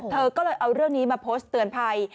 เธอก็เลยเอาเรื่องนี้มาโพสต์เตือนภัย